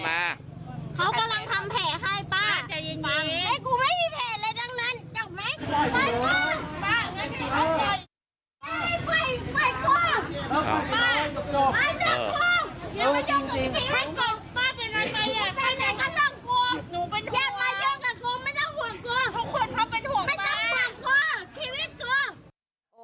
ไม่ได้ห่วงกลัวชีวิตกลัว